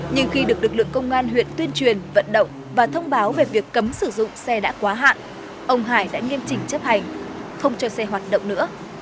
nhưng khi được lực lượng công an huyện tuyên truyền vận động và thông báo về việc cấm sử dụng xe đã quá hạn ông hải đã nghiêm chỉnh chấp hành không cho xe hoạt động nữa